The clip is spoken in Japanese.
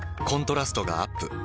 コントラストがアップ。